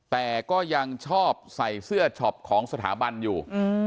แต่ก็ยังชอบใส่เสื้อช็อปของสถาบันอยู่